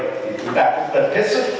chúng ta cũng cần kết sức